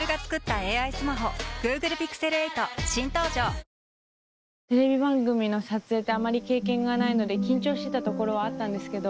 壮大な物語はこれから始まるテレビ番組の撮影ってあまり経験がないので緊張してたところはあったんですけど。